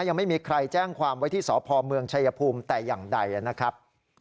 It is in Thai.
ยังไม่มีใครแจ้งความไว้ที่สพเมืองชายภูมิแต่อย่างใดนะครับ